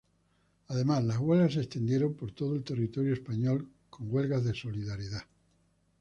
Además, las huelgas se extendieron por todo el territorio español con huelgas de solidaridad.